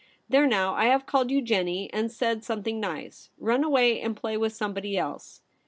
There now, I have called you ''Jennie," and said something nice ; run away and play with somebody else.'